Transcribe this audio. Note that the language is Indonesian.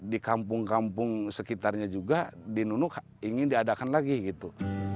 di kampung kampung sekitarnya juga di nunuk ingin diadakan lagi gitu